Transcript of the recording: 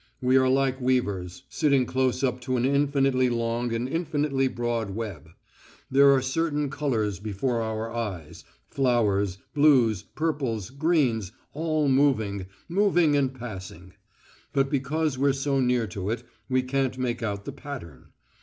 We are like weavers, sitting close up to an infinitely long and infinitely broad web. There are certain colours before our eyes, flowers, blues, purples, greens, all moving, moving and passing ... but because we're so near to it we can't make out the pattern.